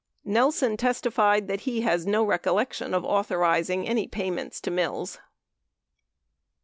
Nelson testified that he has no recollection of authorizing any pay ments to Mills.